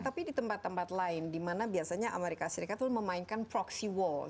tapi di tempat tempat lain dimana biasanya amerika serikat tuh memainkan proxy war